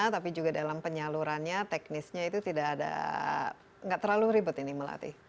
tapi juga dalam penyalurannya teknisnya itu tidak ada nggak terlalu ribet ini melatih